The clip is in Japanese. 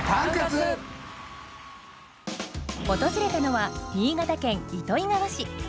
訪れたのは新潟県糸魚川市。